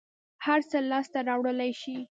هر څه لاس ته راوړلى شې.